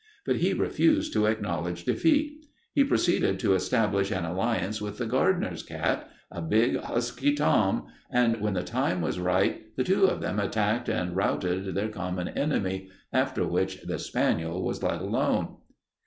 But he refused to acknowledge defeat. He proceeded to establish an alliance with the gardener's cat, a big, husky Tom, and when the time was ripe, the two of them attacked and routed their common enemy, after which the spaniel was let alone.